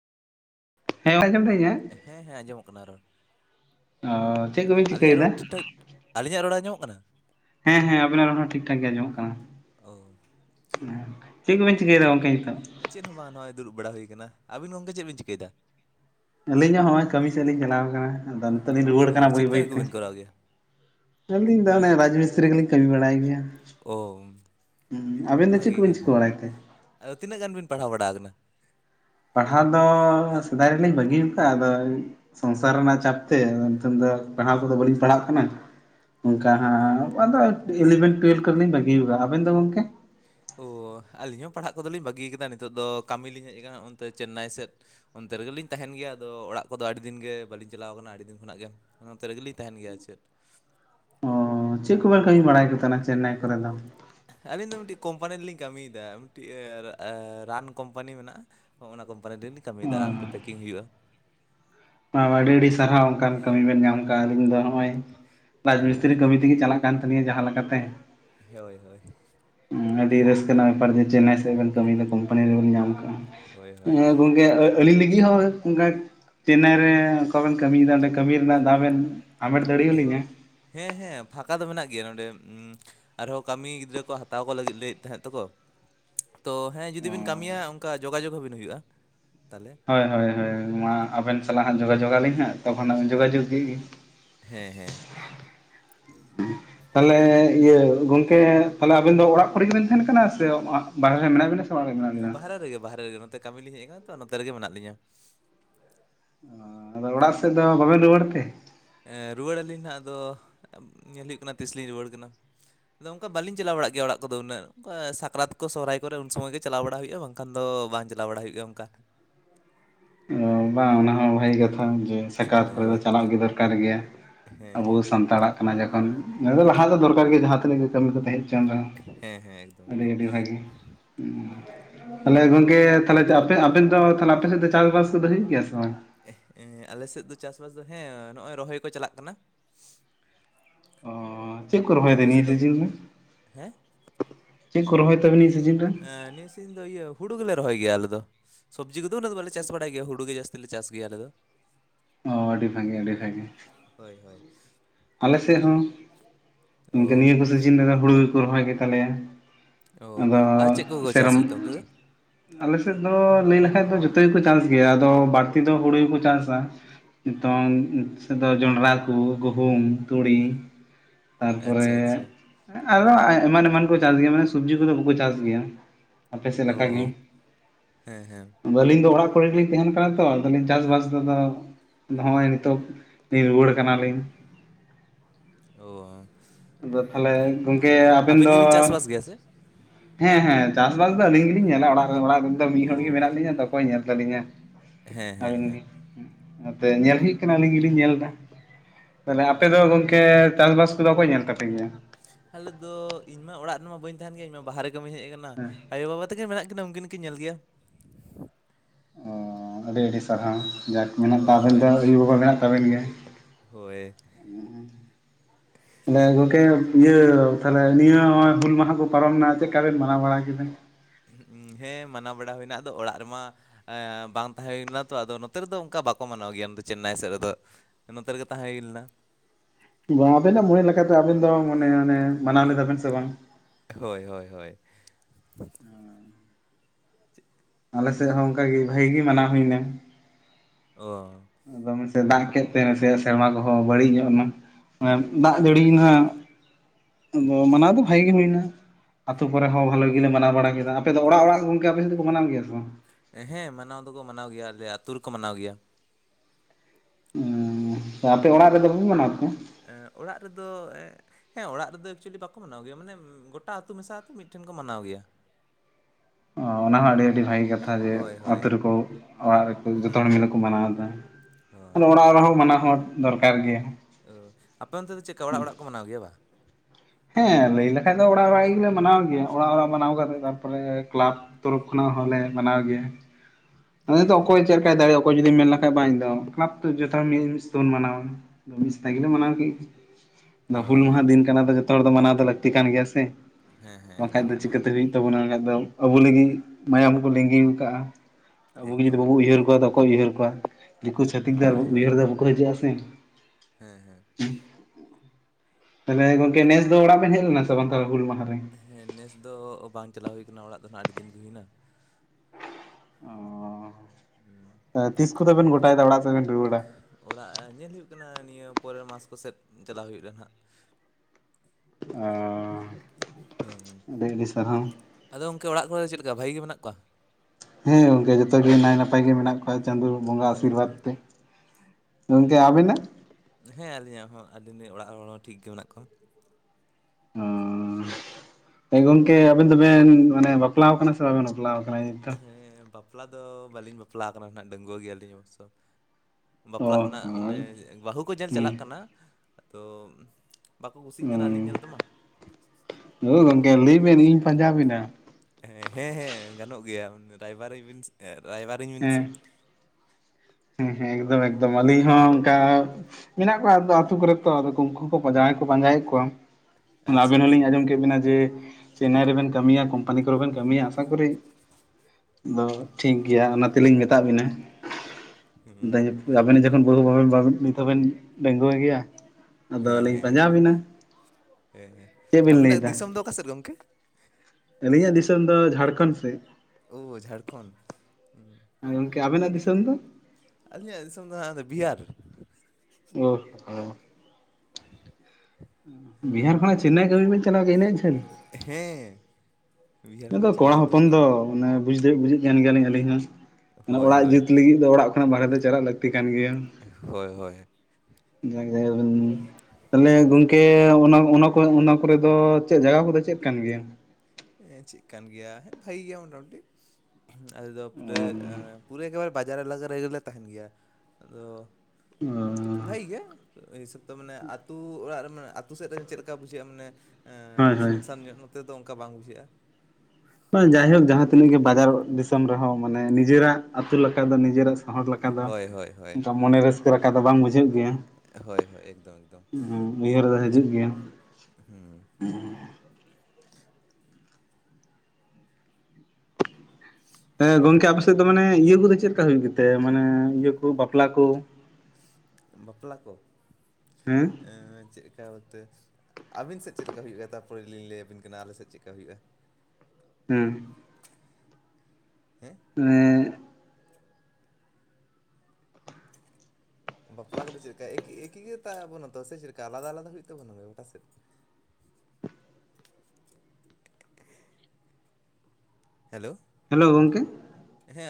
ᱦᱮᱸ ᱟᱸᱡᱚᱢ ᱫᱤᱧ ᱦᱮ [inaudible] ᱦᱮᱸ ᱦᱮᱸ ᱟᱸᱡᱚᱢᱚᱜ ᱠᱟᱱᱟ ᱨᱚᱲ᱾ ᱚ ᱪᱮᱫ ᱠᱚᱵᱤᱱ ᱟᱹᱞᱤᱧᱟᱜ ᱪᱤᱠᱟᱹᱭᱮᱫᱟ? ᱨᱚᱲ ᱴᱷᱤᱠ ᱴᱷ [inaudible] ᱟᱹᱞᱤᱧᱟᱜ ᱨᱚᱲ ᱟᱸᱡᱚᱢᱚᱜ ᱠᱟᱱᱟ? ᱦᱮᱸ ᱦᱮᱸ ᱟᱵᱤᱱᱟᱜ ᱨᱚᱲ ᱦᱚᱸ ᱴᱷᱤᱠ ᱴᱷᱟᱠ ᱜᱮ ᱟᱸᱡᱚᱢᱚᱜ ᱠᱟᱱᱟ᱾ ᱚ ᱪᱮᱫ ᱠᱚ ᱵᱮᱱ ᱪᱤᱠᱟᱹᱭ ᱮᱫᱟ ᱜᱚᱝᱠᱮ ᱱᱤᱛᱚᱜ? ᱪᱮᱫ ᱦᱚᱸ ᱵᱟᱝ ᱱᱚᱜᱼᱚᱭ ᱫᱩᱲᱩᱵ ᱵᱟᱲᱟ ᱦᱩᱭ ᱟᱠᱟᱱᱟ, ᱟᱵᱤᱱ ᱜᱚᱝᱠᱮ ᱪᱮᱫ ᱵᱤᱱ ᱪᱤᱠᱟᱹᱭ ᱮᱫᱟ? ᱟᱹᱞᱤᱧᱟᱜ ᱦᱚᱸᱜᱼᱚᱭ ᱠᱟᱹᱢᱤ ᱥᱮᱫ ᱞᱤᱧ ᱪᱟᱞᱟᱣ ᱠᱟᱱᱟ ᱟᱫᱚ ᱱᱤᱛᱚᱜ ᱞᱤᱧ ᱚ ᱨᱩᱣᱟᱹᱲ ᱠᱟᱱᱟ ᱪᱮᱫ ᱵᱟᱹᱭ ᱵᱟᱹᱭ ᱠᱟᱹᱢᱤ ᱛᱮ ᱠᱚᱵᱤᱱ ᱠᱚᱨᱟᱣ ᱜᱮᱭᱟ ᱟᱹᱞᱤᱧ ᱫᱚ ᱚᱱᱮ ᱨᱟᱡᱽ ᱢᱤᱥᱛᱨᱤ ᱠᱚᱞᱤᱧ ᱠᱟᱹᱢᱤ ᱵᱟᱲᱟᱭ ᱜᱮᱭᱟ ᱚ ᱦᱩᱸ ᱟᱵᱤᱱ ᱫᱚ ᱪᱮᱫ ᱵᱷᱟᱹᱜᱤ ᱜᱮ ᱠᱚᱵᱤᱱ ᱪᱤᱠᱟᱹ ᱵᱟᱲᱟᱭ ᱛᱮ? ᱟᱫᱚ ᱛᱤᱱᱟᱹᱜ ᱜᱟᱱ ᱵᱤᱱ ᱯᱟᱲᱟᱣ ᱵᱟᱲᱟᱣ ᱟᱠᱟᱱᱟ? ᱯᱟᱲᱦᱟᱣ ᱫᱚ ᱥᱮᱫᱟᱭ ᱨᱮ ᱜᱤ ᱞᱤᱧ ᱵᱟᱹᱜᱤᱣ ᱟᱠᱟᱜᱼᱟ ᱟᱫᱚ ᱥᱚᱝᱥᱟᱨ ᱨᱮᱱᱟᱜ ᱪᱟᱯ ᱛᱮ ᱱᱤᱛᱚᱝ ᱫᱚ ᱯᱟᱲᱦᱟᱣ ᱠᱚᱫᱚ ᱵᱟᱹᱞᱤᱧ ᱯᱟᱲᱦᱟᱜ ᱠᱟᱱᱟ᱾ ᱚᱱᱠᱟ ᱦᱟᱸ ᱟᱫᱚ ᱤᱞᱮᱵᱷᱮᱱ ᱴᱩᱭᱮᱞᱵᱷ ᱠᱚᱨᱮᱞᱤᱧ ᱵᱷᱟᱹᱜᱤ ᱟᱠᱟᱣᱟᱜᱼᱟ᱾ ᱟᱵᱮᱱ ᱫᱚ ᱜᱚᱝᱠᱮ? ᱚ... ᱟᱹᱞᱤᱧ ᱦᱚᱸ ᱯᱟᱲᱦᱟᱜ ᱠᱚᱫᱚ ᱞᱤᱧ ᱵᱟᱹᱜᱤᱭ ᱟᱠᱟᱫᱟ ᱱᱤᱛᱚᱜ ᱫᱚ ᱠᱟᱹᱢᱤ ᱞᱤᱧ ᱦᱮᱡ ᱟᱠᱟᱱᱟ ᱟ.. ᱚᱱᱛᱮ ᱪᱮᱱᱟᱭ ᱥᱮᱫ᱾ ᱚᱱᱛᱮ ᱨᱮᱜᱮᱞᱤᱧ ᱛᱟᱦᱮᱱ ᱜᱮᱭᱟ ᱟᱫᱚ ᱚᱲᱟᱜ ᱠᱚᱫᱚ ᱟᱹᱰᱤ ᱫᱤᱱ ᱜᱮ ᱵᱟᱹᱞᱤᱧ ᱪᱟᱞᱟᱣ ᱟᱠᱟᱱᱟ ᱟᱹᱰᱤ ᱫᱤᱱ ᱠᱷᱚᱱᱟᱜ ᱜᱮ ᱱᱚᱛᱮ ᱨᱮᱜᱮ ᱞᱤᱧ ᱛᱟᱦᱮᱱ ᱜᱮᱭᱟ, ᱟᱨ ᱪᱮᱫ? ᱚ ᱪᱮᱜ ᱠᱚ ᱵᱮᱱ ᱠᱟᱹᱶᱤ ᱵᱟᱲᱟᱭ ᱠᱚ ᱛᱟᱦᱮᱱᱟ ᱪᱮᱱᱱᱟᱭ ᱠᱚᱨᱮ ᱫᱚ? ᱟᱹᱞᱤᱧ ᱫᱚ ᱢᱤᱫ ᱴᱤᱡ ᱠᱳᱢᱯᱟᱱᱤ ᱨᱮᱞᱤᱧ ᱠᱟᱹᱢᱤᱭ ᱫᱟ ᱢᱤᱫ ᱴᱤᱡ ᱨᱟᱱ ᱠᱳᱢᱯᱟᱱᱤ ᱢᱮᱱᱟᱜᱼᱟ᱾ ᱦᱚᱸ ᱚᱱᱟ ᱠᱳᱢᱟᱱᱤ ᱨᱮᱞᱤᱧ ᱠᱟᱹᱢᱤᱭᱮᱫᱟ, ᱨᱟᱱ ᱠᱚ ᱯᱮᱠᱤᱝ ᱦᱩᱭᱩᱜᱼᱟ᱾ ᱚ ᱟᱹᱰᱤ ᱟᱹᱰᱤ ᱥᱟᱨᱦᱟᱣ ᱚᱝᱠᱟᱱ ᱠᱟᱹᱢᱤ ᱵᱮᱱ ᱧᱟᱢ ᱠᱟᱜᱼᱟ, ᱟᱹᱞᱤᱧ ᱫᱚ ᱦᱚᱜᱼᱚᱭ ᱨᱟᱡᱽ ᱢᱤᱥᱛᱤᱨᱤ ᱠᱟᱹᱢᱤ ᱛᱮᱜᱮ ᱪᱟᱞᱟᱜ ᱠᱟᱱ ᱛᱟᱹᱞᱤᱧᱟ ᱡᱟᱦᱟᱸ ᱞᱮᱠᱟᱛᱮ᱾ ᱦᱳᱭ ᱦᱳᱭ ᱟᱹᱰᱤ ᱨᱟᱹᱥᱠᱟᱹ ᱨᱮᱱᱟᱜ ᱵᱮᱯᱟᱨ ᱡᱮ ᱪᱮᱱᱱᱟᱭ ᱥᱮᱜ ᱨᱮᱵᱮᱱ ᱠᱟᱹᱢᱤ ᱠᱳᱢᱯᱟᱱᱤ ᱨᱮᱵᱮᱱ ᱧᱟᱢ ᱦᱳᱭ ᱦᱳᱭ ᱮᱸ ᱜᱚᱝᱠᱮ ᱟ-ᱟᱹᱞᱤᱧ ᱞᱟᱹᱜᱤᱜ ᱦᱚᱸ ᱚᱝᱠᱟ ᱪᱮᱱᱱᱟᱭ ᱨᱮ ᱚᱠᱟᱵᱮᱱ ᱠᱟᱹᱢᱤᱭᱫᱟ ᱚᱸᱰᱮ ᱠᱟᱹᱢᱤ ᱨᱮᱱᱟᱜ ᱫᱟᱣ ᱵᱮᱱ ᱦᱟᱢᱮᱴ ᱫᱟᱲᱮᱣᱟᱞᱤᱧᱟ? ᱦᱮᱸ ᱦᱮᱸ ᱯᱷᱟᱸᱠᱟ ᱫᱚ ᱢᱮᱱᱟᱜ ᱜᱮᱭᱟ ᱱᱚᱸᱰᱮ ᱟᱨᱦᱚᱸ ᱠᱟᱹᱢᱤ ᱜᱤᱫᱽᱨᱟᱹ ᱠᱚ ᱦᱟᱛᱟᱣ ᱠᱚ ᱞᱟᱹᱜᱤᱫ ᱞᱟᱹᱭᱮᱫ ᱛᱟᱦᱮᱸᱜ ᱛᱚᱠᱚ᱾ ᱛᱚ ᱦᱮᱸ ᱡᱩᱫᱤ ᱵᱤᱱ ᱚ ᱠᱟᱹᱢᱤᱭᱟ ᱚᱝᱠᱟ ᱡᱳᱜᱟᱡᱳᱜᱽ ᱦᱚᱵᱤᱱ ᱦᱩᱭᱩᱜᱼᱟ, ᱛᱟᱞᱮ᱾ ᱦᱳᱭ ᱦᱳᱭ ᱦᱳᱭ ᱢᱟ ᱟᱵᱮᱱ ᱥᱟᱞᱟᱜ ᱦᱟᱸᱜ ᱡᱳᱜᱟᱡᱳᱜ ᱟᱹᱞᱤᱧ ᱦᱟᱸᱜ ᱛᱚᱠᱷᱚᱱ ᱦᱟᱸᱜ ᱵᱤᱱ ᱡᱳᱜᱟᱡᱳᱜᱽ ᱠᱮᱜ ᱜᱤ᱾ ᱦᱮᱸ ᱦᱮᱸ ᱛᱟᱦᱞᱮ ᱤᱭᱟᱹ ᱜᱚᱝᱠᱮ ᱛᱟᱞᱦᱮ ᱟᱵᱤᱱ ᱫᱚ ᱚᱲᱟᱜ ᱠᱚᱨᱮ ᱜᱮᱵᱮᱱ ᱛᱟᱦᱮᱱ ᱠᱟᱱᱟ ᱥᱮ ᱟᱜ ᱵᱟᱨᱦᱮ ᱨᱮ ᱢᱮᱱᱟᱜ ᱵᱤᱱᱟ ᱥᱮ? ᱚᱲᱟᱜ ᱨᱮ ᱢᱮᱱᱟᱜ ᱵᱮᱱᱟ ᱵᱟᱦᱨᱮ ᱨᱮᱜᱮ ᱵᱟᱦᱨᱮ ᱨᱮᱜᱮ ᱱᱚᱛᱮ ᱠᱟᱹᱢᱤ ᱞᱤᱧ ᱦᱮᱡ ᱠᱟᱱᱟ ᱛᱚ ᱱᱚᱛᱮ ᱨᱮᱜᱮ ᱢᱮᱱᱟᱜ ᱞᱤᱧᱟ᱾ ᱟᱫᱚ ᱚᱲᱟᱜ ᱥᱮᱫ ᱫᱚ ᱵᱟᱵᱮᱱ ᱨᱩᱣᱟᱹᱲᱛᱮ? ᱮᱸ ᱨᱩᱣᱟᱹᱲᱟᱹᱞᱤᱧ ᱦᱟᱸᱜ ᱟᱫᱚ ᱧᱮᱞ ᱦᱩᱭᱩᱜ ᱠᱟᱱᱟ ᱛᱤᱥ ᱞᱤᱧ ᱨᱩᱣᱟᱹᱲ ᱠᱟᱱᱟ᱾ ᱟᱫᱚ ᱚᱝᱠᱟ ᱵᱟᱞᱤᱧ ᱪᱟᱣ ᱵᱟᱲᱟᱜ ᱜᱮᱭᱟ ᱚᱲᱟᱜ ᱠᱚ ᱫᱚ ᱩᱱᱟᱹᱜ ᱥᱟᱠᱨᱟ ᱠᱚ ᱥᱚᱨᱦᱟᱭ ᱠᱚᱨᱮ ᱩᱱ ᱥᱚᱢᱚᱭ ᱜᱮ ᱪᱟᱞᱟᱣ ᱵᱟᱲᱟ ᱦᱩᱭᱩᱜᱼᱟ᱾ ᱵᱟᱝ ᱠᱷᱟᱱ ᱫᱚ ᱵᱟᱝ ᱪᱟᱞᱟᱣ ᱵᱟᱲᱟ ᱦᱩᱭᱩᱜᱼᱟ ᱚᱝᱠᱟ᱾ ᱚ ᱵᱟᱝ ᱚᱱᱟ ᱦᱚᱸ ᱵᱷᱟᱹᱜᱤ ᱠᱟᱛᱷᱟ᱾ ᱡᱮ ᱥᱟᱠᱨᱟᱛ ᱦᱳᱭ ᱠᱚᱨᱮ ᱫᱚ ᱦᱳᱭ ᱪᱟᱞᱟᱜ ᱜᱮ ᱫᱚᱨᱠᱟᱨ ᱜᱮᱭᱟ, ᱦᱮᱸ ᱟᱵᱚ ᱦᱮᱸ ᱥᱟᱱᱛᱟᱲᱟᱜ ᱠᱟᱱᱟ ᱡᱚᱠᱷᱚᱱ ᱫᱚ ᱞᱟᱦᱟ ᱫᱚᱨᱠᱟᱨ ᱜᱮ ᱡᱟᱦᱟᱸ ᱛᱤᱱᱟᱹᱜ ᱜᱮ ᱠᱟᱹᱢᱤ ᱫᱚ ᱛᱟᱦᱮᱸᱱ᱾ ᱪᱟᱸᱫᱚ ᱦᱮᱸ ᱦᱮᱸ ᱮᱠᱫᱚᱢ ᱟᱹᱰᱤ ᱮᱠᱫᱚᱢ ᱟᱹᱰᱤ ᱵᱷᱟᱹᱜᱮ᱾ ᱛᱟᱦᱞᱮ ᱜᱚᱝᱠᱮ ᱛᱟᱦᱞᱮ ᱟᱯᱮ ᱟᱵᱮᱱ ᱫᱚ ᱛᱟᱦᱞᱮ ᱟᱯᱮ ᱥᱮᱫ ᱫᱚ ᱪᱟᱥᱵᱟᱥ ᱠᱚᱫᱚ ᱦᱩᱭᱩᱜ ᱜᱮᱭᱟ ᱥᱮ ᱵᱟᱝ? ᱮᱸ ᱟᱞᱮ ᱥᱮᱫ ᱫᱚ ᱪᱟᱥᱼᱵᱟᱥ ᱫᱚ ᱦᱮᱸ ᱱᱚᱜᱼᱚᱭ ᱨᱚᱦᱚᱭ ᱠᱚ ᱪᱟᱞᱟᱜ ᱠᱟᱱᱟ᱾ ᱚ ᱪᱮᱜ ᱠᱚ ᱨᱚᱦᱚᱭᱫᱟ ᱟᱯᱮ ᱥᱮᱫ ᱱᱤᱭᱟᱹ ᱫᱚ ᱥᱤᱡᱤᱱ ᱨᱮ? ᱦᱮᱸ ᱪᱮᱜ ᱠᱚ ᱨᱚᱦᱚᱭ ᱛᱟᱵᱮᱱ ᱱᱤᱭᱟᱹ ᱥᱤᱡᱤᱱ ᱨᱮ? ᱮᱸ ᱱᱤᱭᱟᱹ ᱥᱤᱧ ᱫᱚ ᱤᱭᱟᱹ ᱦᱩᱲᱩ ᱜᱮᱞᱮ ᱨᱚᱦᱚᱭ ᱜᱮᱭᱟ ᱟᱞᱮ ᱫᱚ᱾ ᱥᱚᱵᱽᱡᱤ ᱠᱚᱫᱚ ᱩᱱᱟᱹᱜ ᱫᱚ ᱵᱟᱞᱮ ᱪᱟᱥ ᱵᱟᱲᱟᱭ ᱜᱮᱭᱟ, ᱦᱩᱲᱩ ᱜᱮ ᱡᱥᱛᱤ ᱞᱮ ᱪᱟᱥ ᱜᱮᱭᱟ ᱟᱞᱮ ᱫᱚ᱾ ᱚ ᱟᱹᱰᱤ ᱵᱷᱟᱜᱮ ᱟᱹᱰᱤ ᱵᱷᱟᱜᱮ᱾ ᱦᱳᱭ ᱦᱳᱭ ᱟᱞᱮ ᱥᱮᱜ ᱦᱚᱸ ᱤᱝᱠᱟᱹ ᱚ ᱱᱤᱭᱟᱹ ᱠᱚ ᱥᱤᱡᱤᱱ ᱨᱮᱫᱚ ᱦᱩᱲᱩ ᱜᱮᱠᱚ ᱨᱚᱦᱚᱭ ᱜᱮ ᱛᱟᱞᱮᱭᱟ᱾ ᱚ ᱟᱫᱚ ᱟᱨ ᱪᱮᱫ ᱠᱚᱠᱚ ᱪᱟᱥ ᱥᱮᱨᱚᱢ ᱜᱮᱛᱮ ᱚᱱᱛᱮ ᱫᱚ ᱟᱞᱮ ᱥᱮᱜ ᱫᱚ ᱞᱟᱹᱭ ᱞᱮᱠᱷᱟᱡ ᱫᱚ ᱡᱩᱚᱛᱚ ᱜᱮᱠᱚ ᱪᱟᱥ ᱜᱮᱭᱟ, ᱟᱫᱚ ᱵᱟᱹᱲᱛᱤ ᱫᱚ ᱦᱩᱲᱩ ᱜᱮᱠᱚ ᱪᱟᱥᱼᱟ᱾ ᱱᱤᱛᱚᱝ ᱫᱚ ᱡᱚᱱᱰᱨᱟ ᱠᱚ ᱜᱩᱦᱩᱢ, ᱛᱩᱲᱤ ᱟᱪᱪᱷᱟ ᱛᱟᱨᱯᱚᱨᱮ ᱟᱪᱪᱷᱟ ᱟᱫᱚ ᱮᱸ ᱮᱢᱟᱱ ᱮᱢᱟᱱ ᱠᱚ ᱪᱟᱥ ᱜᱮᱭᱟ ᱢᱟᱱᱮ ᱥᱚᱵᱽᱡᱤ ᱠᱚᱫᱚ ᱵᱟᱠᱚ ᱪᱟᱥ ᱜᱮᱭᱟ᱾ ᱟᱯᱮ ᱥᱮᱜ ᱚ ᱞᱮᱠᱟ ᱜᱮ᱾ ᱦᱮᱸ ᱦᱮᱸ ᱵᱟᱹᱞᱤᱧ ᱫᱚ ᱚᱲᱟᱜ ᱠᱚᱨᱮ ᱜᱮᱞᱤᱧ ᱛᱟᱦᱮᱦᱮᱱ ᱠᱟᱱᱟ ᱛᱚ, ᱟᱫᱚ ᱞᱤᱧ ᱪᱟᱥᱼᱵᱟᱥᱫᱚ ᱦᱚᱸᱜᱼᱚᱭ ᱱᱤᱛᱚᱜ ᱞᱤᱧ ᱨᱩᱣᱟᱹᱲ ᱠᱟᱱᱟᱞᱤᱧ᱾ ᱚ ᱟᱫᱚ ᱛᱟᱦᱞᱮ ᱜᱚᱝᱠᱮ ᱟᱵᱮᱱ ᱟᱹᱵᱤᱱ ᱫᱚ ᱜᱮᱵᱤᱱ ᱪᱟᱥᱵᱟᱥ ᱜᱮᱭᱟ ᱥᱮ ᱦᱮᱸ ᱦᱮᱸ ᱪᱟᱥᱵᱟᱥ ᱫᱚ ᱟᱹᱞᱤᱧ ᱜᱮᱞᱤᱧ ᱧᱮᱞᱟ ᱚᱲᱟᱜ ᱨᱮ ᱚᱲᱟᱜ ᱨᱮᱫᱚ᱾ ᱫᱚ ᱢᱤᱜ ᱚ ᱦᱚᱲ ᱜᱮ ᱢᱮᱱᱟᱜ ᱞᱤᱧᱟ ᱛᱚ ᱚᱠᱚᱭ ᱧᱮᱞ ᱛᱟᱞᱤᱧᱟ ᱦᱮᱸ ᱦᱮᱸ ᱟᱹᱵᱤᱱ ᱦᱮᱸ ᱜᱮ᱾ ᱚᱱᱟᱚᱛᱮ ᱧᱮᱞ ᱦᱩᱭᱩᱜ ᱠᱟᱱᱟ ᱟᱹᱞᱤᱧ ᱜᱮᱞᱤᱧ ᱧᱮᱞᱫᱟ, ᱛᱟᱦᱞᱮ ᱟᱯᱮ ᱦᱩᱸ ᱫᱚ ᱜᱚᱝᱠᱮ ᱪᱟᱥᱵᱟᱥ ᱠᱚᱫᱚ ᱚᱠᱚᱭ ᱧᱮᱞ ᱛᱟᱯᱮ ᱜᱮᱭᱟ? ᱟᱞᱮ ᱫᱚ ᱤᱧ ᱢᱟ ᱚᱲᱟᱜ ᱨᱮᱢᱟ ᱵᱟᱹᱧ ᱛᱟᱦᱮᱱ ᱜᱮᱭᱟ ᱤᱧᱢᱟ ᱵᱟᱦᱨᱮ ᱠᱟᱹᱢᱤᱧ ᱦᱮᱡ ᱟᱠᱟᱱᱟ ᱦᱮᱸ ᱟᱭᱳᱼᱵᱟᱵᱟ ᱛᱟᱠᱤᱱ ᱢᱮᱱᱟᱜ ᱠᱤᱱᱟ ᱩᱝᱠᱤᱱ ᱠᱤᱱ ᱧᱮᱞ ᱜᱮᱭᱟ᱾ ᱚᱻ ᱟᱹᱰᱤ ᱟᱹᱰᱤ ᱥᱟᱨᱦᱟᱣ ᱡᱟᱠ ᱢᱮᱱᱟᱜ ᱛ [unintelligible] ᱦᱳᱭ ᱟᱵᱮᱱ ᱦᱳᱭ ᱫᱚ ᱟᱭᱳᱼ ᱵᱟᱵᱟ ᱢᱮᱱᱟᱜ ᱛᱟᱵᱮᱱ ᱜᱮᱭᱟ᱾ ᱦ ᱦᱳᱭ [inaudible] ᱛᱟᱦᱚᱞᱮ ᱜᱚᱝᱠᱮ ᱤᱭᱟᱹ ᱛᱟᱦᱞᱮ ᱱᱤᱭᱟᱹ ᱱᱚᱜᱼᱚᱭ ᱦᱩᱞ ᱢᱟᱦᱟ ᱠᱚ ᱯᱟᱨᱚᱢᱮᱱᱟ ᱪᱮᱫᱠᱟ ᱵᱮᱱ ᱢᱟᱱᱟᱣ ᱵᱟᱲᱟ ᱠᱤᱫᱟ? ᱦᱮᱸ ᱢᱟᱱᱟᱣ ᱵᱟᱲᱟ ᱦᱩᱭᱱᱟ ᱟᱫᱚ ᱚᱲᱟᱜ ᱨᱮᱢᱟ ᱵᱟᱝ ᱛᱟᱦᱮᱸ ᱦᱩᱭ ᱞᱮᱱᱟ ᱛᱚ ᱟᱫᱚ ᱱᱚᱛᱮ ᱨᱮᱫᱚ ᱚᱱᱠᱟ ᱵᱟᱠᱚ ᱢᱟᱱᱟᱣ ᱜᱮᱭᱟ ᱪᱮᱱᱱᱟᱭ ᱥᱮᱫ ᱨᱮᱫᱚ᱾ ᱱᱚᱛᱮ ᱨᱮᱜᱮ ᱛᱟᱦᱮᱸ ᱦᱩᱭ ᱞᱮᱱᱟ᱾ ᱵᱟᱝ ᱟᱵᱮᱱ ᱱᱟᱝ ᱢᱚᱱᱮ ᱞᱮᱠᱟᱛᱮ ᱟᱵᱮᱱ ᱫᱚ ᱢᱟᱱᱮ ᱢᱟᱱᱟᱣ ᱞᱮᱫᱟ ᱵᱮᱱ ᱥᱮ ᱵᱟᱝ? ᱦᱳᱭ ᱦᱳᱭ ᱦᱳᱭ ᱪᱮᱫ ᱟᱞᱮᱥᱮᱫ ᱦᱚᱸ ᱚᱱᱠᱟ ᱜᱮ ᱵᱷᱟᱜᱤ ᱜᱮ ᱢᱟᱱᱟᱣ ᱦᱩᱭᱱᱟ᱾ ᱚ ᱟᱫᱚ ᱱᱟᱥᱮ ᱫᱟᱜ ᱠᱮᱫ ᱛᱮ ᱱᱟᱥᱮ ᱥᱮᱨᱢᱟ ᱠᱚᱦᱚᱸ ᱵᱟᱹᱲᱤᱡ ᱧᱚᱜᱱᱟ᱾ ᱫᱟᱜ ᱡᱟᱹᱲᱤ ᱚ ᱭᱮᱱᱟ ᱟᱫᱚ ᱢᱟᱱᱟᱣ ᱫᱚ ᱵᱷᱟᱜᱤ ᱜᱮ ᱦᱩᱭᱮᱱᱟ ᱟᱹᱛᱩ ᱠᱚᱨᱮ ᱦᱚᱸ ᱵᱷᱟᱞᱮ ᱜᱮ ᱢᱟᱱᱟᱣ ᱵᱟᱲᱟ ᱠᱮᱫᱟ ᱟᱯᱮ ᱫᱚ ᱚᱲᱟᱜ ᱚᱲᱟᱜ ᱜᱚᱝᱠᱮ ᱟᱯᱮ ᱥᱮᱫ ᱫᱚ ᱠᱚ ᱢᱟᱱᱟᱣ ᱜᱮᱭᱟ ᱥᱮ ᱵᱟᱝ? ᱦᱮᱸ ᱢᱟᱱᱟᱣ ᱫᱚᱠᱚ ᱢᱟᱱᱟᱣ ᱜᱮᱭᱟ ᱟᱞᱮ ᱟᱹᱛᱩ ᱨᱮᱠᱚ ᱢᱟᱱᱟᱣ ᱜᱮᱭᱟ᱾ ᱟᱯᱮ ᱚᱲᱟᱜ ᱨᱮᱫᱚ ᱵᱟᱯᱮ ᱢᱟᱱᱟᱣ ᱛᱟᱦᱮᱸᱼᱟ ᱚᱲᱟᱜ ᱨᱮᱫᱚ ᱦᱮᱸ ᱚᱲᱟᱜ ᱨᱮᱫᱚ ᱮᱠᱪᱩᱭᱮᱞᱤ ᱵᱟᱠᱚ ᱢᱟᱱᱟᱣ ᱜᱮᱭᱟ ᱢᱟᱱᱮ ᱜᱚᱴᱟ ᱟᱹᱛᱩ ᱢᱮᱥᱟ ᱟᱛᱮᱫ ᱢᱤᱫᱴᱷᱮᱱ ᱠᱚ ᱢᱟᱱᱟᱣ ᱜᱮᱭᱟ᱾ ᱚ ᱚᱱᱟ ᱦᱚᱸ ᱟᱹᱰᱤ ᱟᱹᱰᱤ ᱵᱷᱟᱜᱤ ᱠᱟᱛᱷᱟ ᱡᱮ ᱦᱳᱭ ᱦᱳᱭ ᱟᱹᱛᱩ ᱨᱮᱠᱚ ᱚᱲᱟᱜ ᱨᱮᱠᱚ ᱡᱚᱛᱚ ᱦᱩᱸ ᱦᱚᱲ ᱢᱤᱞᱮ ᱦᱩᱸ ᱠᱚ ᱢᱟᱱᱟᱣᱫᱟ ᱦᱳᱭ ᱟᱫᱚ ᱚᱲᱟᱜ ᱨᱮᱦᱚᱸ ᱢᱟᱱᱟᱣ ᱦᱚᱸ ᱫᱚᱨᱠᱟᱨ ᱜᱮᱭᱟ ᱟᱯᱮ ᱚᱱᱛᱮ ᱫᱚ ᱪᱮᱫᱠᱟ ᱚᱲᱟᱜ ᱚᱲᱟᱜ ᱠᱚ ᱢᱟᱱᱟᱣ ᱜᱮᱭᱟ ᱵᱟᱝ? ᱦᱮᱸ ᱞᱟᱹᱭ ᱞᱮᱠᱷᱟᱡ ᱫᱚ ᱚᱲᱟᱜ ᱚᱲᱟᱜ ᱜᱮᱞᱮ ᱢᱟᱱᱟᱣ ᱜᱮᱭᱟ ᱚᱲᱟᱜ ᱚᱲᱟᱜ ᱢᱟᱱᱟᱣ ᱠᱟᱛᱮ ᱛᱟᱨᱯᱚᱨᱮ ᱠᱮᱞᱟᱵᱽ ᱛᱚᱨᱚᱯ ᱠᱷᱚᱱᱟᱜ ᱦᱚᱸᱞᱮ ᱢᱟᱱᱟᱣ ᱜᱮᱭᱟ᱾ ᱚᱱᱟ ᱫᱚ ᱦᱮᱸ ᱚᱠᱚᱭ ᱪᱮᱫ ᱞᱮᱠᱟᱭ ᱫᱟᱲᱮᱜᱼᱟ ᱚᱠᱚᱭ ᱡᱩᱫᱤ ᱢᱮᱱ ᱞᱮᱷᱟᱡ ᱵᱟᱝ ᱤᱧ ᱫᱚ ᱠᱞᱟᱵᱽ ᱡᱚᱛᱚ ᱦᱚᱲ ᱱᱤᱭᱮ ᱢᱤᱫ ᱥᱟᱶᱛᱮ ᱵᱚᱱ ᱢᱟᱱᱟᱣᱟ᱾ ᱢᱤᱫ ᱫᱟᱨᱮᱭᱟ [unintelligible] ᱜᱮᱞᱮ ᱢᱟᱱᱟᱣ ᱠᱮᱫ ᱚ ᱦᱩᱞ ᱢᱟᱦᱟ ᱫᱤᱱ ᱠᱟᱱᱟ ᱫᱚ ᱡᱚᱛᱚ ᱦᱚᱲ ᱫᱚ ᱢᱟᱱᱟᱣ ᱫᱚ ᱞᱟᱹᱠᱛᱤ ᱠᱟᱱ ᱜᱮᱭᱟ ᱥᱮ ᱦᱮᱸ ᱦᱮᱸ ᱵᱟᱝᱠᱷᱟᱡ ᱮᱠᱫᱚᱢ ᱫᱚ ᱮᱠᱫᱚᱢ ᱪᱤᱠᱟᱹᱛᱮ ᱵᱤᱱ ᱛᱟᱵᱚᱱᱟ ᱮᱠᱟᱱᱡ ᱫᱚ ᱟᱵᱚ ᱞᱟᱹᱜᱤᱫ ᱢᱟᱭᱟᱢ ᱠᱚ ᱞᱤᱸᱜᱤ ᱟᱠᱟᱟᱜᱼᱟ ᱟᱵᱚ ᱜᱮ ᱡᱩᱫᱤ ᱮᱠᱫᱚᱢ ᱵᱟᱵᱚ ᱩᱭᱦᱟᱹᱨ ᱠᱚᱣᱟ ᱛᱚ ᱚᱠᱚᱭ ᱩᱭᱦᱟᱹᱨ ᱠᱚᱣᱟ ᱫᱤᱠᱩ ᱪᱷᱟᱹᱛᱤᱠ ᱫᱟ ᱦᱳᱭ ᱦᱳᱭ ᱩᱭᱦᱟᱹᱨ ᱫᱟ ᱵᱟᱠᱚ ᱦᱤᱡᱩᱜᱼᱟ ᱥᱮ᱾ ᱦᱮᱸ ᱦᱮᱸ ᱛᱟᱦᱞᱮ ᱜᱚᱝᱠᱮ ᱱᱮᱥ ᱫᱚ ᱚᱲᱟᱜ ᱵᱤᱱ ᱦᱮᱡ ᱞᱮᱱᱟ ᱥᱮ ᱵᱟᱝ ᱦᱩᱞ ᱢᱟᱦᱟ ᱨᱮ? ᱦᱮᱸ ᱱᱮᱥ ᱫᱚ ᱵᱟᱝ ᱪᱟᱞᱟᱣ ᱦᱩᱭ ᱠᱟᱱᱟ ᱚᱲᱟᱜ ᱫᱚ ᱱᱟᱜ ᱟᱹᱰᱤ ᱫᱤᱱ ᱜᱮ ᱦᱩᱭᱱᱟ᱾ ᱚ᱾ ᱦᱩᱸ ᱛᱤᱥ ᱠᱚᱛᱮᱵᱮᱱ ᱫᱤ ᱜᱚᱴᱟᱭᱮᱫᱟ ᱚᱲᱟᱜ ᱥᱮᱫᱵᱮᱱ ᱨᱩᱣᱟᱹᱲᱟ? ᱚᱲᱟᱜ ᱧᱮᱞ ᱦᱩᱭᱩᱜ ᱠᱟᱱᱟ ᱱᱤᱭᱟᱹ ᱯᱚᱨᱮᱨ ᱢᱟᱥ ᱠᱚᱥᱮᱫ ᱪᱟᱞᱟᱣ ᱦᱩᱭᱩᱜᱼᱟ ᱱᱟᱜ᱾ [unintelligible] ᱟᱹᱰᱤ ᱟᱹᱰᱤ ᱥᱟᱨᱦᱟᱣ᱾ ᱟᱫᱚ ᱜᱚᱝᱠᱮ ᱚᱲᱟᱜ ᱠᱚᱨᱮᱫᱚ ᱪᱮᱫ ᱞᱮᱠᱟ ᱵᱷᱟᱜᱮ ᱜᱮ ᱢᱮᱱᱟᱜ ᱠᱚᱣᱟ? ᱦᱮᱸ ᱜᱚᱝᱠᱮ ᱡᱚᱛᱚ ᱜᱮ ᱱᱟᱭ ᱱᱟᱯᱟᱭ ᱜᱮ ᱢᱮᱱᱟᱜ ᱠᱚᱣᱟ᱾ ᱯᱟᱭ ᱪᱟᱸᱫᱳ ᱵᱚᱸᱜᱟ ᱚ ᱟᱥᱤᱨᱵᱟᱫᱽ ᱛᱮ᱾ ᱜᱚᱝᱠᱮ ᱦᱩᱸ ᱟᱵᱮᱱᱟᱜ? ᱦᱮᱸ ᱟᱹᱞᱤᱧᱟᱜ ᱦᱚᱸ ᱟᱹᱞᱤᱧ ᱨᱮᱱ ᱚᱲᱟᱜ ᱦᱚᱲ ᱦᱚᱸ ᱴᱷᱤᱠ ᱜᱮ ᱢᱮᱱᱟᱜ ᱠᱚᱣᱟ᱾ ᱚ, ᱮ ᱜᱚᱝᱠᱮ ᱟᱵᱮᱱ ᱫᱚᱵᱮᱱ ᱢᱟᱱᱮ ᱵᱟᱯᱞᱟᱣ ᱠᱟᱱᱟ ᱥᱮ ᱵᱟᱵᱮᱱ ᱵᱟᱯᱞᱟᱣ ᱠᱟᱱᱟ? ᱫᱚ? ᱦᱮᱸ ᱵᱟᱯᱞᱟ ᱫᱚ ᱵᱟᱹᱞᱤᱧ ᱵᱟᱯᱞᱟ ᱠᱟᱱᱟ ᱦᱟᱸᱜ ᱰᱟᱺᱜᱽᱣᱟᱹᱣ ᱜᱮᱭᱟᱞᱤᱧ ᱚᱵᱽᱥᱥᱚ᱾ ᱵᱟᱯᱞᱟᱜ ᱚ ᱨᱮᱱᱟᱜ ᱢᱟᱱᱮ ᱦᱩᱸ ᱵᱟᱹᱦᱩ ᱠᱚ ᱧᱮᱞ ᱪᱟᱞᱟᱜ ᱠᱟᱱᱟ ᱟᱫᱚ ᱵᱟᱠᱚ ᱠᱩᱥᱤᱜ ᱠᱟᱱᱟ ᱟᱹᱞᱤᱧ ᱧᱮᱞ ᱛᱮᱢᱟ ᱦᱩᱸ ᱦᱚᱭ ᱜᱚᱝᱠᱮ ᱞᱟᱹᱭ ᱵᱮᱱ ᱤᱧ ᱯᱟᱸᱡᱟ ᱦᱟᱵᱤᱱᱟ᱾ ᱦᱮᱸ, ᱦᱮᱸ ᱦᱮᱸ ᱜᱟᱱᱚᱜ ᱜᱮᱭᱟ ᱩᱱ ᱨᱟᱭᱵᱟᱨᱟᱹᱧ ᱵᱮᱱ ᱥᱮ, ᱨᱟᱭᱵᱟᱨᱟᱹᱧ ᱵᱮᱱ ᱦᱮᱸ ᱥᱮ᱾ ᱦᱮᱸ ᱮᱠᱫᱚᱢ ᱮᱠᱫᱚᱢ ᱟᱹᱞᱤᱧ ᱦᱚᱸ ᱚᱱᱠᱟ ᱢᱮᱱᱟᱜ ᱠᱚᱣᱟ ᱟᱫᱚ ᱟᱹᱛᱩ ᱠᱚᱨᱮ ᱛᱚ ᱟᱫᱚ ᱩᱱᱠᱩ ᱩᱱᱠᱩ ᱠᱚ ᱯᱟᱸᱡᱟᱭᱮᱫ ᱠᱚ ᱯᱟᱸᱡᱟᱭᱮᱫ ᱠᱚᱣᱟ᱾ ᱟᱪᱪᱷᱟ ᱟᱵᱮᱱ ᱦᱚᱸᱞᱤᱧ ᱟᱪᱪᱷᱟ ᱟᱸᱡᱚᱢ ᱠᱮᱫ ᱵᱤᱱᱟ ᱡᱮ ᱪᱮᱱᱱᱟᱭ ᱨᱮᱵᱮᱱ ᱠᱟᱹᱢᱤᱭᱟ᱾ ᱚᱝᱠᱟ ᱱᱤᱛᱚᱜ ᱦᱚ ᱵᱮᱱ ᱠᱟᱹᱢᱤᱭᱟ ᱟᱥᱟ ᱠᱚᱨᱤ ᱫᱚ ᱴᱷᱤᱠ ᱜᱮᱭᱟ, ᱚᱱᱟ ᱛᱮᱞᱤᱧ ᱢᱮᱛᱟᱜ ᱵᱤᱱᱟ᱾ ᱦᱩᱸ [unintelligible] ᱟᱵᱮᱱ ᱡᱚᱠᱷᱚᱱ ᱵᱟᱹᱦᱩ ᱵᱟᱵᱮᱱ ᱵᱟᱦᱩ ᱱᱤᱛ ᱦᱚᱸ ᱵᱮᱱ ᱰᱟᱹᱝᱜᱩᱣᱟ ᱜᱮᱭᱟ᱾ ᱟᱫᱚ ᱦᱮᱸ ᱞᱤᱧ ᱦᱮᱸ, ᱯᱟᱸᱡᱟ ᱮᱠᱫᱚᱢ ᱵᱤᱱᱟ ᱦᱮᱸ ᱦᱮᱸ ᱪᱮᱫ ᱵᱤᱱ ᱞᱟᱹᱭ ᱟᱵᱤᱱᱟᱜ ᱮᱫᱟ? ᱫᱤᱥᱚᱢ ᱫᱚ ᱚᱠᱟ ᱥᱮᱫ ᱜᱚᱝᱠᱮ? ᱟᱹᱞᱤᱧᱟᱜ ᱫᱤᱥᱚᱢ ᱫᱚ ᱡᱷᱟᱲᱠᱷᱚᱸᱰ ᱥᱮᱡ᱾ ᱳ ᱡᱷᱟᱲᱠᱷᱚᱱ ᱩᱸ᱾ ᱜᱚᱝᱠᱮ ᱟᱵᱮᱱᱟᱜ ᱫᱤᱥᱚᱢ ᱫᱚ? ᱟᱹᱞᱤᱧᱟᱜ ᱫᱤᱥᱚᱢ ᱫᱚ ᱦᱟᱸᱜ ᱟᱫᱚ ᱵᱤᱭᱟᱨ᱾ ᱚᱠ ᱦᱚᱸ᱾ [inaudible] ᱵᱤᱦᱟᱨ ᱠᱷᱚᱱᱟᱜ ᱪᱮᱱᱱᱟᱭ ᱠᱟᱹᱢᱤ ᱵᱮᱱ ᱪᱟᱞᱟᱜ ᱡᱮ ᱤᱱᱟᱹᱜ ᱡᱷᱟᱹᱞ? ᱦᱮᱸ, ᱵᱤᱦᱟᱨ ᱠᱷᱚᱱᱟᱜ ᱪᱮᱱᱱᱟᱭ ᱞᱤᱧ ᱦᱮᱡ ᱠᱟᱱᱟ᱾ ᱚᱱᱮ ᱵᱩᱡᱽ ᱫᱟᱲᱮᱜ ᱵᱩᱡᱩᱜ ᱠᱟᱱ ᱜᱮᱭᱟᱞᱤᱧ ᱟᱞᱤᱧ ᱦᱚᱸ [unintelligible] ᱦᱳᱭ ᱚᱲᱟᱜ ᱦᱳᱭ ᱡᱩᱛ ᱞᱟᱹᱜᱤᱫ ᱫᱚ ᱚᱲᱟᱜ ᱦᱮᱸ ᱵᱟᱦᱮᱨᱮ ᱫᱚ ᱪᱟᱞᱟᱜ ᱞᱟᱹᱠᱛᱤ ᱠᱟᱱ ᱜᱮᱭᱟ᱾ ᱦᱳᱭ ᱦᱳᱭ ᱦᱮ᱾ [unintelligible] ᱛᱟᱦᱚᱞᱮ ᱜᱚᱝᱠᱮ ᱚᱱᱟ ᱚᱱᱟ ᱠᱚ ᱚᱱᱟ ᱠᱚᱨᱮ ᱫᱚ ᱪᱮᱜ ᱡᱟᱭᱜᱟ ᱠᱚᱫᱚ ᱪᱮᱫ ᱠᱟᱱ ᱜᱮᱭᱟ? ᱮᱸ ᱪᱤᱜ ᱠᱟᱱ ᱜᱮᱭᱟ? ᱦᱮᱸ ᱵᱷᱟᱜᱤ ᱜᱮᱭᱟ ᱢᱚᱴᱟᱢᱩᱴᱤ, ᱟᱞᱮ ᱫᱚ ᱯᱩᱨᱟᱹ ᱮᱸ ᱯᱩᱨᱟᱹ ᱮᱠᱵᱟᱨ ᱵᱟᱡᱟᱨ ᱮᱞᱟᱠᱟ ᱨᱮᱜᱮ ᱞᱮ ᱛᱟᱦᱮᱱ ᱜᱮᱭᱟ, ᱟᱫᱚ [inaudible] ᱵᱷᱟᱜᱤ ᱜᱮᱭᱟ, ᱦᱤᱥᱟᱹᱵ ᱛᱮ ᱢᱟᱱᱮ ᱟᱹᱛᱩ ᱚᱲᱟᱜ ᱨᱮ ᱢᱟᱱᱮ ᱟᱹᱛᱩ ᱥᱮᱜ ᱨᱮ ᱪᱮᱫ ᱞᱮᱠᱟ ᱵᱩᱡᱷᱟᱹᱜᱼᱟ ᱢᱟᱱᱮ ᱦᱳᱭ ᱮᱸ ᱥᱩᱱᱥᱟᱱ ᱦᱳᱭ ᱧᱚᱜ ᱱᱚᱛᱮ ᱫᱚ ᱚᱝᱠᱟ ᱵᱟᱝ ᱵᱩᱡᱷᱟᱹᱜᱼᱟ᱾ ᱵᱟᱝ ᱡᱟᱭᱦᱳᱠ ᱡᱟᱦᱟᱸ ᱛᱤᱱᱟᱹᱜ ᱜᱮ ᱵᱟᱡᱟᱨ ᱫᱤᱥᱚᱢ ᱨᱮᱦᱚᱸ ᱢᱟᱱᱮ ᱱᱤᱡᱮᱨᱟᱜ ᱟᱛᱩ ᱞᱮᱠᱟ ᱫᱚ ᱱᱤᱡᱮᱨᱟᱜ ᱦᱚᱲ ᱞᱮᱠᱟ ᱫᱚ ᱦᱳᱭ ᱦᱳᱭ ᱦᱳᱭ ᱚᱝᱠᱟ ᱢᱚᱱᱮ ᱨᱟᱹᱥᱠᱟᱹ ᱞᱮᱠᱟ ᱫᱚ ᱵᱟᱝ ᱵᱩᱡᱷᱟᱹᱜ ᱜᱮᱭᱟ᱾ ᱦᱳᱭᱼᱦᱳᱭ, ᱮᱠᱫᱚᱢᱼᱮᱠᱫᱚᱢ᱾ ᱵᱤᱦᱟᱹᱨ ᱫᱚ ᱦᱟᱹᱡᱩᱜ ᱜᱮᱭᱟ᱾ ᱦᱩᱸ᱾ [inaudible] ᱦᱮᱸ ᱜᱚᱝᱠᱮ ᱟᱯᱮ ᱥᱮᱫ ᱫᱚ ᱢᱟᱱᱮ ᱤᱭᱟᱹ ᱠᱚᱫᱚ ᱪᱮᱫ ᱞᱮᱠᱟ ᱦᱩᱭᱩᱜ ᱜᱮᱛᱮ ᱢᱟᱱᱮ ᱤᱭᱟᱹ ᱠᱚ ᱵᱟᱯᱞᱟ ᱠᱳ? ᱵᱟᱯᱞᱟ ᱠᱚ᱾ ᱦᱩᱸ᱾ ᱮᱸ ᱪᱮᱜᱠᱟ ᱵᱚᱛᱮ ᱟᱹᱵᱤᱱ ᱥᱮᱫ ᱪᱮᱫ ᱞᱮᱠᱟ ᱦᱩᱭᱩᱜ ᱜᱮᱭᱟ? ᱛᱟᱯᱚᱨᱮ ᱞᱤᱧ ᱞᱟᱹᱭᱟᱵᱤᱱ ᱠᱟᱱᱟ ᱟᱞᱮ ᱥᱮᱫ ᱪᱮᱜᱠᱟ ᱦᱩᱭᱩᱜᱼᱟ᱾ ᱦᱩᱸ᱾ ᱦᱮᱸ ᱮᱸ᱾ ᱵᱟᱯᱞᱟ ᱠᱚᱫᱚ ᱪᱮᱜᱠᱟ ᱮᱠᱤ ᱮᱠᱤ ᱜᱮᱛᱟᱵᱚᱱᱟ ᱛᱚ ᱥᱮ ᱪᱮᱫᱠᱟ ᱟᱞᱟᱫᱟ ᱟᱞᱟᱫᱟ ᱦᱩᱭᱩᱜ ᱛᱟᱵᱩᱱᱟ ᱜᱚᱴᱟ ᱥᱮᱫ? ᱦᱮᱞᱳ᱾ ᱦᱮᱞᱳ ᱜᱚᱝᱠᱮ᱾ ᱦᱮᱸ